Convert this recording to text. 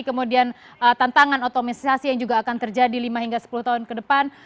kemudian tantangan otomatisasi yang juga akan terjadi lima hingga sepuluh tahun ke depan